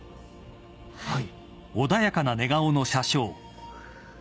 はい。